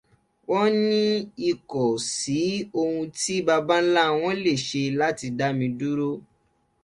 Wọ́n ní ikò sí oun tí babáńlá wọn le ṣe láti dá mi dúró.